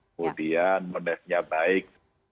kemudian menekannya baik